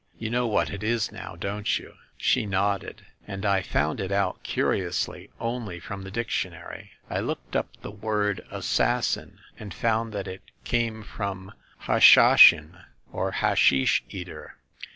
You know what it is now, don't you ?" She nodded. "And I found it out, curiously, only from the dictionary. I looked up the word 'assassin,' and found that it came from Hashashin or hashish eater.